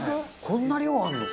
「こんな量あるの？」